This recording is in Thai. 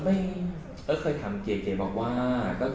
อึ๊กเคยทำเก๋วบอกว่า